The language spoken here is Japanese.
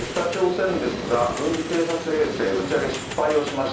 北朝鮮ですが、軍事偵察衛星打ち上げ失敗をしました。